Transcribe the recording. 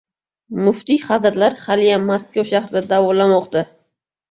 Muftiy hazratlari haliyam Moskva shahrida davolanmoqda